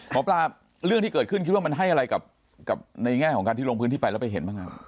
หมอปลาเรื่องที่เกิดขึ้นคิดว่ามันให้อะไรกับในแง่ของการที่ลงพื้นที่ไปแล้วไปเห็นบ้างครับ